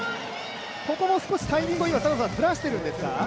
ここも少しタイミングをずらしているんですか？